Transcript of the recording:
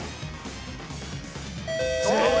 正解。